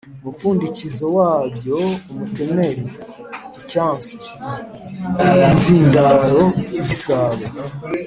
umupfundikizo wabyo umutemeri (icyansi) , inzindaro (igisabo)